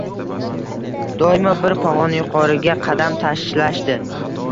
– doimo bir pog‘ona yuqoriga qadam tashlashdir.